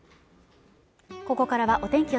ここからはお天気